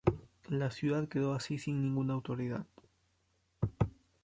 La ciudad quedó así sin ninguna autoridad.